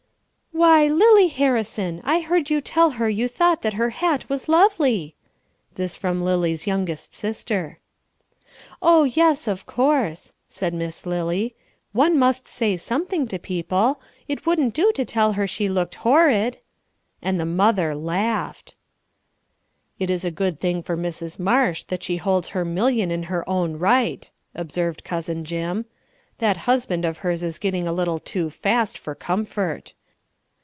"Why, Lily Harrison! I heard you tell her you thought her hat was lovely!" This from Lily's youngest sister. "Oh, yes, of course," said Miss Lily. "One must say something to people. It wouldn't do to tell her she looked horrid." And the mother laughed. "It is a good thing for Mrs. Marsh that she holds her million in her own right," observed cousin Jim. "That husband of hers is getting a little too fast for comfort."